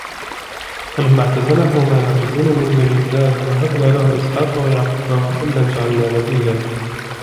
فلما اعتزلهم وما يعبدون من دون الله وهبنا له إسحاق ويعقوب وكلا جعلنا نبيا